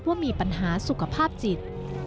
ว่ามีปัญหาสุขภาพจิต